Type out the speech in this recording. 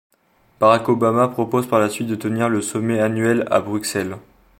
Barack Obama propose par la suite de tenir le sommet annuel, à Bruxelles.